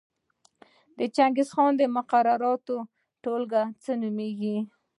د چنګیز د مقرراتو ټولګه څه نومېده؟